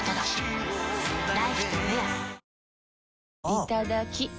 いただきっ！